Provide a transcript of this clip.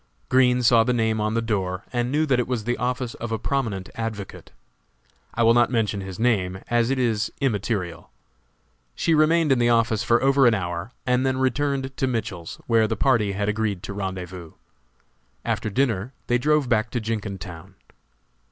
Green saw the name on the door, and knew that it was the office of a prominent advocate. I will not mention his name, as it is immaterial. She remained in the office for over an hour, and then returned to Mitchell's, where the party had agreed to rendezvous. After dinner they drove back to Jenkintown.